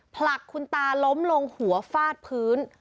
ผลักคุณตาล้มลงหัวฟาดพื้น